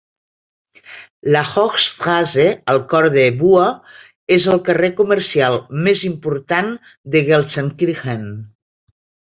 La Hochstrasse, al cor de Buer, és el carrer comercial més important de Gelsenkirchen.